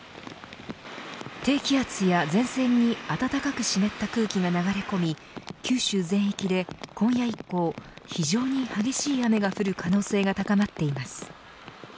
低気圧や前線に暖かく湿った空気が流れ込み九州全域で今夜以降非常に激しい雨が降る可能性が高まっています。